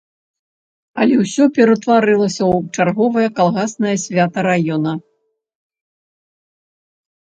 Але ўсе ператварылася ў чарговае калгаснае свята раёна.